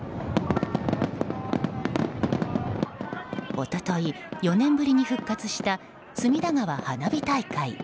一昨日、４年ぶりに復活した隅田川花火大会。